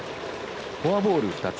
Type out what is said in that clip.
フォアボール２つ。